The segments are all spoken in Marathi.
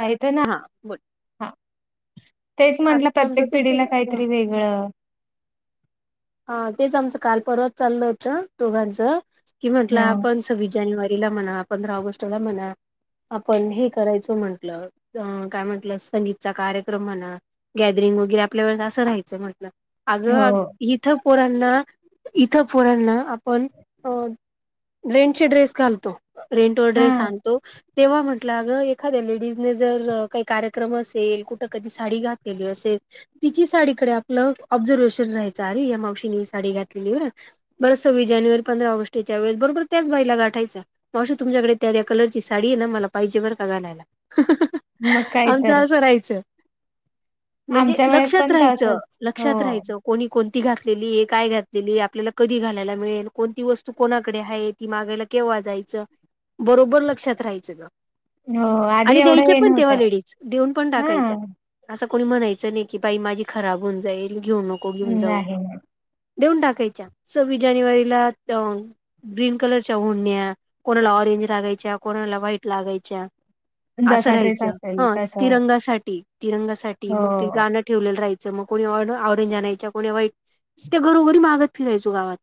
हा, येतोय ना. हा. तेच म्हंणलं आत्ता आमचं प्रत्येक तेच पिढीला काहीतरी वेग ळ. हा, तेच आमचं. काल परवाच चाललं होत, दोघांच. कि म्हंटलं हा आपण सव्वीस जानेवारीला म्हणा. पंधरा ऑगस्टला म्हणा. आपण हे करायचं म्हंटलं. अ काय म्हंटलं. संगीतचा कार्यक्रम म्हणा गॅदरिंग वगैरे. आपल्यावेळेस असं राहायचं म्हटलं. अग हो इथं पोरांना, इथं पोरांना. आपण अ रेंटचे ड्रेस घालतो. रेंटवर हा ड्रेस आणतो तेव्हा म्हटलं. अगं, एखाद्या लेडीजने, जर काही कार्यक्रम असेल. कुठं, कधी साडी घातलेली असेल तिची साडीकडे आपलं, ऑब्झर्वेशन राहायच. अरे, या मावशीने ही साडी घातलेली बरं. बरं सव्वीस जानेवारी, पंधरा ऑगटच्या वेळेस, बरोबर त्याच बाईला गाठायचा. मावशी, तुमच्याकडे त्या - त्या कलरची साडीय ना. मला पाहिजे बरं का, घालायला. [unintelligible] मग [unintelligible] काय आमचं, तर असं राहायचं. म्हणजे, आमच्या वेळेत लक्षात पण राहायचं. तसच हो लक्षात राहायचं. कोणी कोणती घातलेलीय? काय घातलेलीय? आपल्याला, कधी घालायला मिळेल? कोणती वस्तू कोणाकडे हायीत. ती मागायला केव्हा जायचं. बरोबर लक्षात राहायचं ग. हो आधी आणि एवढं द्यायच्या हे पण तेव्हा नव्हतं लेडीज. देऊन पण हा टाकायच्या. असं कोणी, म्हणायचं नाही की, बाई माझी खराब होऊन जाईल. घेऊ नको घेऊन जाऊ नाही ना. देऊन टाकायच्या. सव्वीस जानेवारीला त ग्रीन कलरच्या ओडण्या. कोणाला ऑरेंज लागायच्या. कोणाला व्हाईट लागायच्या. असं जसा ड्रेस राहायचं. ह, असेल तस तिरंगासाठी. तिरंगासाठी. हो मग ते गाण ठेवलेल राहायचं मग कोणी ऑ ऑरेंज आणायच्या कोणी व्हाईट त्या घरोघरी मागत फिरायचो गावात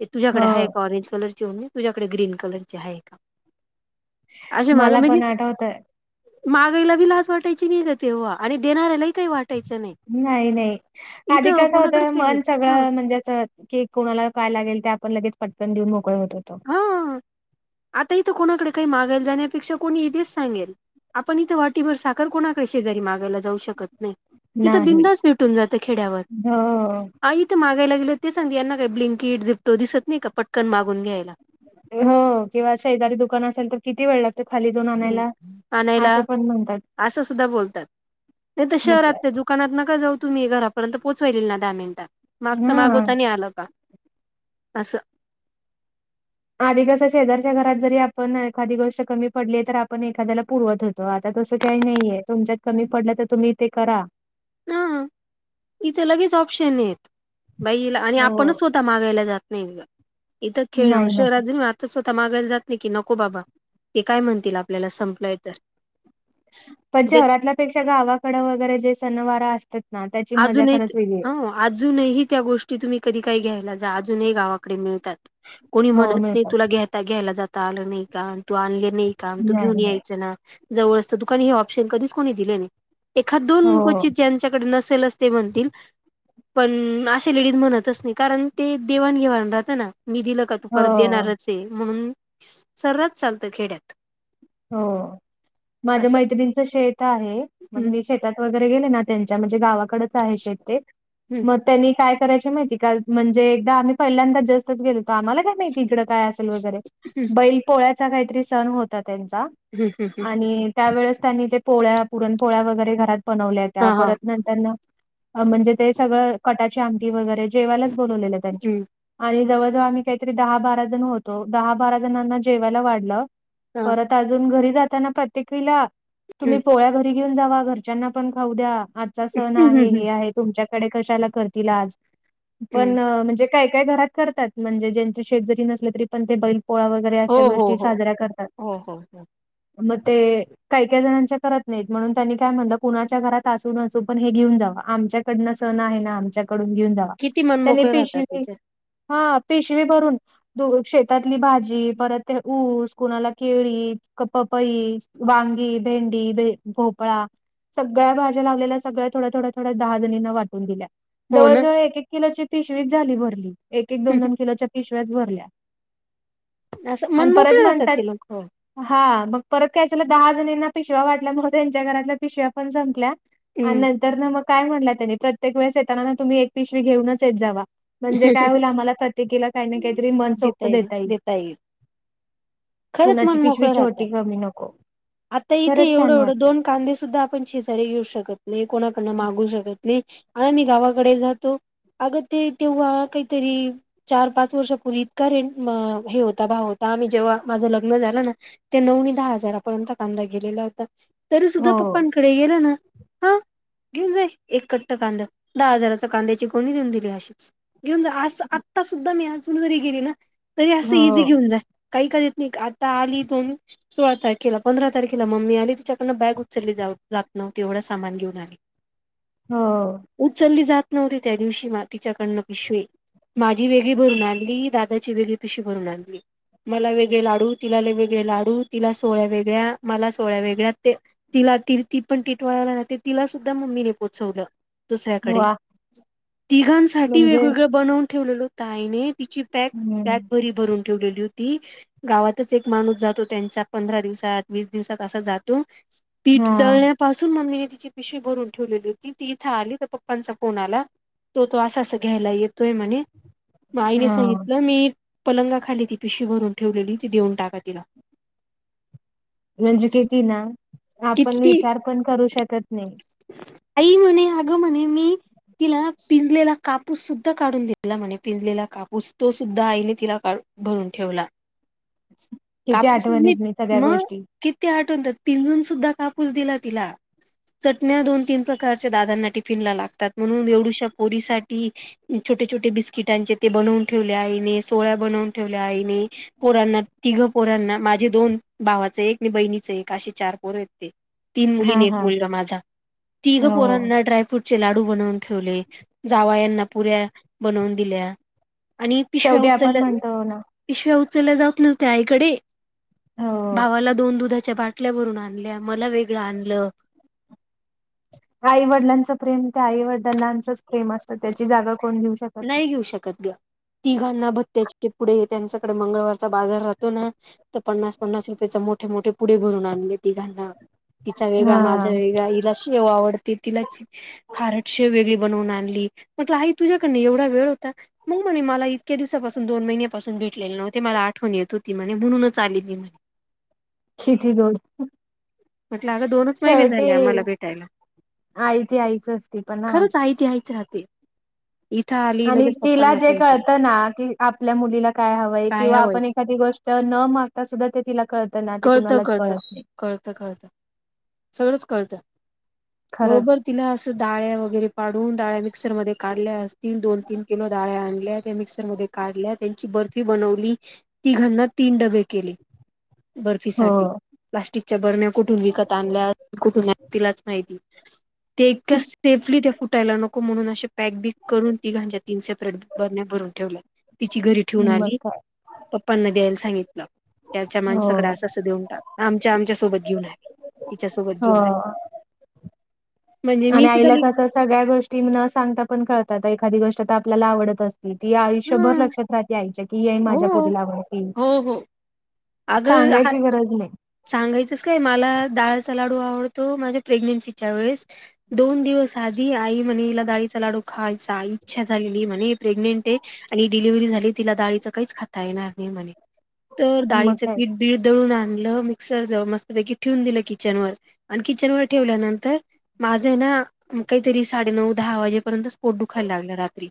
ते हो तुझ्याकडे हाये का ऑरेंज कलर ची ओढणी तुझ्याकडे ग्रीन कलरची हाये का. अशे माग मला म्हणजे पण आठवत मागायला बी लाज वाटायची नाही ग तेव्हा आणि देणाऱ्यालाही काही वाटायचं नाही. नाही नाही आधी इथं कस होत कोणाकडेच पाहिजे मन हं सगळं म्हणजे असं की कोणाला काय लागेल ते आपण लगेच पटकन देऊन मोकळ होत होतो. हां आता हीथ कोणाकडे काही मागायला जाण्यापेक्षा कोणी इथेच सांगेल. आपण इथं वाटीभर साखर कोणाकडे शेजारी मागायला जाऊ शकत नाही. तिथं नाही बिंदास भेटून जाते खेड्यावर हो आई ते मागायला गेले ते सग यांना काही ब्लिंकिट झिपटो दिसत नाही का पटकन मागून घ्यायला. हो किंवा शेजारी दुकान असेल तर किती वेळ लागत. हम् आणयला म्हणतात असं सुद्धा बोलतात. नाही त शहरात ते जुक दुकानात नका जाऊ तुम्ही घरापर्यंत पोहोचवालील दहा मिनिटात मागता हा मागवता नाही आलं का? असं. आधी कस शेजारच्या घरात जरी आपण एखादी गोष्ट कमी पडली तर आपण एखाद्याला पुरवत होत तो आता तसं काही नाहीये तुमच्यात कमी पडलं तर तुम्ही ते करा हम इथं लगेच ऑप्शन आहेत. बाईला आणि हो आपणच स्वतः मागायला जात नाही इथं खेळ नाही शहरा नाही जाऊ या तर स्वतः मागायला जात नाही की नको बाबा ते काय म्हणतील आपल्याला संपलंय तर पण जे शहरातल्यापेक्षा गावाकड वगैरे जे सणवार असतात ना त्याचे अजूनही हो अजूनही त्या गोष्टी तुम्ही कधी काही घ्यायला जा अजूनही गावाकडे मिळतात कोणी हो म्हणत नाही मिळतात तुला घ्याता घ्यायला जाता आलं नाही का तू आणले नाही. थांब तू घेऊन नाही नाही यायचं ना जवळच त दुकाने हे ऑप्शन कधीच कोणी दिल नाही. एखाद दोन हो क्वचित ज्यांच्याकडे नसेलच ते म्हणतील - पण अशे लेडीज म्हणतच नाही कारण ते देवाण घेवान राहत ना मी दिलं का तु हो परत देणारयेच म्हणून सर्वच चालतं खेड्यात. हो माझ्या असं मैत्रिनीच शेत आहे मग हम्म मीच शेतात वगैरे गेले ना त्यांच्या म्हणजे गावाकडच आहे शेत ते हम्म मग त्यांनी काय करायची माहितीय का म्हणजे एकदा आम्ही पहिल्यांदा जस्टच गेलतो आम्हाला काय माहिती इकडं काय असेल वगैरे हम्म बैल पोळ्याचा काहीतरी सण होता त्यांचा हम्म हम्म आणि त्यावेेळेस त्यांनी ते पोळ्या पुरणपोळ्या वगैरे घरात बनवल्या हा होत्या हा परत नंतरन म्हणजे ते सगळं कटाची आमटी वगैरे जेवायलाच बनवलेलं त्यांनी. हम्म आणि जवळजवळ आम्ही काहीतरी दहा बारा जण होतो दहा बारा जणांना जेवायला वाढलं. हा परत अजून घरी जाताना प्रत्येकीला हम्म तुम्ही पोळ्या घरी घेऊन जावा घरच्यांना पण खाऊ द्या आजचा सण हम्म आहे हम्म हे आहे तुमच्याकडे कशाला करतील आज हम्म पण म्हणजे काय काय घरात करतात म्हणजे ज्यांचे शेत जरी नसले तरी पण ते बैल पोळा वगै जरा हो अशा हो गोष्टी हो साजऱ्या करतात. हो हो हो. म ते काही काही जणांच्या करत नाहीत म्हणून त्यांनी काय म्हणलं कुणाच्या घरात असू नसू पण हे घेऊन जावा आमच्या कडन सण आहे ना आमच्याकडून घेऊन जावा किती त्याने मनमोकळे राहतात पिशवी तिचे हा पिशवी भरून दूध शेतातली भाजी परत ते ऊस कुणाला केळी क पपई वांगी भेंडी भे भोपळा सगळ्या भाज्या लागलेल्या सगळ्या थोड्या थोड्या थोड्या दहा जणींना वाटून दिल्या. हो जवळ ना जवळ एक एक किलोची पिशवीच झाली भरली एक एक दोन दोन किलोच्या पिशव्याच भरल्या असं आणि परत मनमोकळे म्हणतात [unintelligible] हा मग परत काय झालं दहा जणींना पिशव्या वाटल्या म्हणून त्यांच्या घरातल्या पिशव्या पण संपल्या. आणि हम्म नंतर ना मग काय म्हणलंय त्यानी प्रत्येक वेळेस येताना ना तुम्ही एक पिशवी घेऊनच येत जावा. म्हणजे काय होईल आम्हाला प्रत्येकीला काही ना काहीतरी मन चोक्त देता येईल. खरंच कुणाची मन पिशवी मोकळं राहतं छोटी कमी नको. आता इथे खरंच एवढं छान एवढं वाटतंय. दोन कांदे सुद्धा आपण शेजारी घेऊ शकत नाही कोणाकडन मागू शकत नाही. आणि गावाकडे जातो अग ते तेव्हा काहीतरी चार पाच वर्ष पूर्वी इतका रे हे होता भाव होता आम्ही जेव्हा माझं लग्न झालं ना ते नऊनी दहा हजारापर्यंत कांदा गेलेला होता तरी सुद्धा हो, पप्पा कडे गेला ना हा घेऊन जाई एक कट्ट कांदा दहा हजाराचा कांद्याची गोणी देऊन दिली अशीच. घेऊन जा अस आत्ता सुद्धा मी अजून जरी गेली ना तरी असं हो, इझी घेऊन जा. काही कध येत नाही आता आली दोन. सोळा तारखेला पंधरा तारखेला मम्मी आली तिच्याकडन बॅग उचलली जाऊ जात नव्हती येवढं सामान घेऊन आली. हं. उचलली जात नव्हती त्या दिवशी मातिच्याकडनं. पिशवी माझी वेगळी भरून आणली दादाची वेगळी पिशवी भरून आणली. मला वेगळे लाडू तिला वेगळे लाडू तिला सोहळ्या वेगळ्या मला सोहळ्या वेगळ्या ते तिला ती ती पण टिटवाळाला राहते तिला सुद्धा मम्मीने पोचवलं. दुसऱ्याकडे, वाह! तिघांसाठी म्हणजे वेगवेगळं बनवून ठेवलेलं होतं आईने तिची पॅक, हं, पॅक बरी भरून ठेवलेली होती. गावातच एक माणूस जातो त्यांचा पंधरा दिवसात, वीस दिवसात असा जातो. पीठ हां, दळण्यापासून मम्मीने तिची पिशवी भरून ठेवलेली होती, ती इथे आली तर पप्पांचा फोन आला तो, तो असा अस घ्यायला येतोय म्हणे म आईने हां. सांगितलं मी पलंगा खाली ती पिशवी भरून ठेवलेली ती देऊन टाका तिला. म्हणजे किती ना, आपण किती विचार पण करू शकत नाही. आई म्हणे, अगं म्हणे मी तिला ना पिंजलेला कापूस सुद्धा काढून दिलेला म्हणे पिंजलेला का कापूस तो सुद्धा आईने तिला का भरून ठेवला. किती कापूस आठवणीत नाही [inaudible] सगळ्या म गोष्टी. किती आठवणतात पिंजून सुद्धा कापूस दिला तिला. चटण्या दोन-तीन प्रकारच्या दादांना टिफिन ला लागतात म्हणून एवढूश्या पोरीसाठी छोटे-छोटे बिस्किटांचे ते बनवून ठेवले आईने, सोळ्या बनवून ठेवल्या आईने. पोरांना, तिघं पोरांना माझे दोन, भावाचं एक आणि बहिणीचं एक असे चार. पोरं आहेत तीन, तीन मुली आणि हां, एक हां. मुलग माझा. तिघं हो. पोरांना ड्रायफ्रूट चे लाडू बनवून ठेवले, जावायांना पुऱ्या बनवून दिल्या. आणि पिशव्या शेवटी उचल आपण म्हणतो ना पिशव्या उचलल्या जात नव्हत्या आईकडे. हो. भावाला दोन दुधाच्या बाटल्या भरून आ आणल्या, मला वेगळं आणलं. आई वडलांचं प्रेम ते आई वडिलांनाचंच प्रेम असतं, त्याची जागा कोण घेऊ नाही घेऊ शकत ग. तिघांना भत्या पुढे, त्यांच्याकडे मंगळवारचा बाजार राहतो ना. तर पन्नास, पन्नास रुपयाचा मोठे-मोठे पुढे भरून आणले तिघांना. तिचा वेगळा, माझा हा वेगळा, हिला - शेव आवडते तिला, खारट शेव वेगळी बनवून आणली, म्हंटलं आई तुझ- कनी एवढा वेळ होता- मग म्हणे मला इतक्या दिवसापासून, दोन महिन्यापासून भेटलेले नव्हते, मला आठवण येत होती म्हणे, म्हणूनच आली मी म्हणे. किती गोड. म्हटलं अगं दोनच महिने शेवटी झाले आम्हाला भेटायला. आई ती आईच असती पण हा. खरंच आई ती आईच राहते. इथं आली आणि लगेच तिला पप्पांना जे फोन केला कळतं ना की, आपल्या मुलीला काय हवंय काय ह किंवा वय आपण एखादी गोष्ट - तर न मागता सुद्धा ते तिला कळतं ना, ते कळतं कुणालाच कळतं कळत नाही. कळतं, कळतं, सगळंच कळतं खरंच बरोबर तिला अस - डाळ्या वगैरे पाडवून डाळ्या - मिक्सर मध्ये काढल्या असतील, दोन-तीन किलो डाळ्या आणल्या, त्या मिक्सर मध्ये काढल्या त्यांची बर - र्फी बनवली, तीघांना तीन डबे केले हो बर्फीसाठी. प्लास्टिकच्या बर्ण्या कुठून विकत आणल्या, कुठून नाहीत, तिलाच माहिती. ते इतकं स्टेफली ते फुटायला नको. म्हणून अशे पॅक बिक करून तिघांचे तीन सेपरेट बरण्या भरून ठेवल्या. तिची घरी - ठेऊन मग आली, काय पप्पांना द्यायला सांगितलं, त्याच्या माणस- हो असं देऊन टाक आमच्या, आमच्या सोबत घेऊन आहे, तिच्या सोबत घेऊन आहे. हो. आणि आईला कसं सगळ्या गोष्टी न सांगता पण कळतात, एखादी गोष्ट तर आपल्याला आवडत असते. ती ह आयुष्यभर लक्षात राहते आईच्या की, ये हो माझ्या पुरीला आवडती. अग हा! सांगायचंस काय, डाळचा लाडू आवडतो माझ्या प्रेग्नेन्सीच्या वेळेस - दोन दिवस आधी, त्यांनी आई म्हणेला डाळीचा लाडो खाय इच्छा झालेली म्हणे प्रेग्नेंट आहे. आणि डिलिव्हरी झाली तिला डाळीच काहीच खाता येणार नाही म्हणे, तर डाळी मग - काय? बीळ दळून आणलं मिक्सर जाऊ मस्तपैकी ठेवून दिलं किचन वर. आणि किचन वर ठेवल्यानंतर- माझं आहे ना, काहीतरी साडेनऊ, दहा वाजेपर्यंत पोट दुखायला लागला रात्री.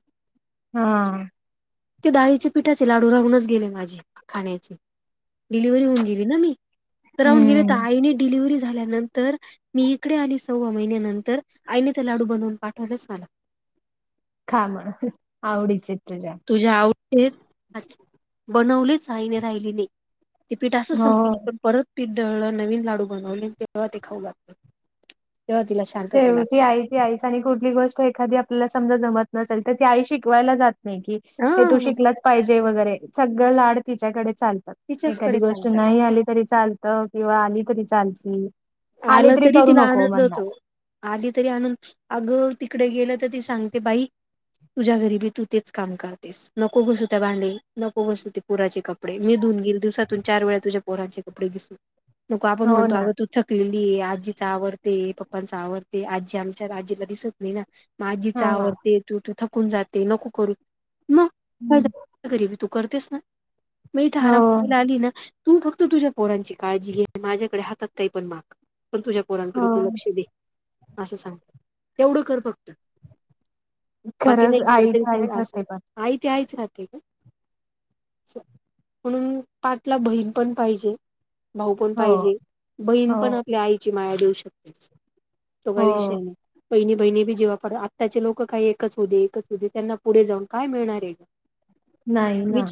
हा. ते डाळीचे पिठाचे लाडू राहूनच गेले, माझे खाण्याचे. डिलिव्हरी होऊन गेली ना मी, तर राहून गेले तर हम्म. आईने डिलिव्ही झाल्यानंतर- मी इकडे आली सव्वा महिन्यानंतर, आईने त्या लाडू बनवून पाठवलेच मला. खा म्हण, आवडीचे तुझ्या. तुझ्या आवड [unintelligible] बनवलीच आहेईने राहिली नाही. ति पीठ असं हो. [unintelligible] परत पीठ दळलं, नवीन लाडू बनवले, तेव्हा ते खाऊ लागले तेव्हा तिला श- शेवटी आईच. ते आईच ऐकुन कुठली गोष्ट एखादी आपल्याला समजा जमत नसेल तर, ती आई शिकवायला जात नाही की- हे तू हा शिकलाच पाहिजे वगैरे, सगळं लाड तिच्याकडे चालते. एखादी तिच्याचकडे गोष्ट चालतात. नाही आली तरी चालत किंवा आली तरी चालती. आली आलं तरी करू तिला नको आनंद होतो. म्हणणार. आली तरी आणनू, अगं तिकडे गेलं तर ती सांगते बाई- तुझ्या घरीबी तू तेच काम करते. नको घसू त्या भांडे, नको घसूते पोराचे कपडे, मीधुन गेल दिवसातून चार वेळा तुझ्या पोराचे कपडे घस- [inaudible] नको आपणो ना. अग पिळली आजीचा आवडते पप्पांचा आवडते आजी आमच्या आजीला दिसत नाही ना. माझीच हां हां. आवडते तू तू थकून जाते नको करू मग. हम्म गरीिबी तू करतेस ना मी हो धारा मला आली ना. तू फक्त तुझ्या पोरांची काळजी घे माझ्याकडे हातात काही पण माग. पण तुझ्या पोरा कडे हो तू लक्ष दे असं सांगते तेवढं कर फक्त. बाकी खरंच नाही गेलं आईच तरीच आहे आईच असेल असते पण आई ते आहेच राहते का. म्हणून पाठला बहीण पण पाहिजे. भाऊ पण हो पाहिजे बहीण हो पण आपल्या आईची माया देऊ शकते. तो हो काय विषय नाही. बहिणी बहिणी बी जेव्हा पड आताचे लोक काही एकच होते एकच होते त्यांना पुढे जाऊन काय मिळणार आहे का? नाही ना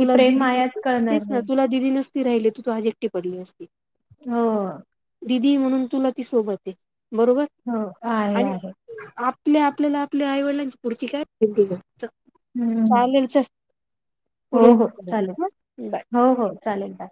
ही प्रेम मायाच कळणार नाही. दी नसती राहिले तू तू आज एकटी पडली असते. हो. दिदी म्हणून तुला ती सोबत आहे बरोबर. हो आहे आणि आहे. आपल्या आपल्याला आपल्या आईवडिलांची पुढची काय. हम्म चालेल च हो हो चालेल ह बाय. हो हो चालेल का.